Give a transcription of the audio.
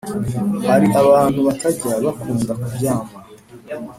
hari abantu batajya bakunda kuryama